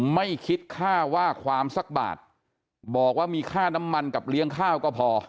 ไม่คิดค่าว่าความสักบาทบอกว่ามีค่าน้ำมันกับเลี้ยงข้าวก็พอ